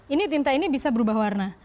ini tinta ini bisa berubah warna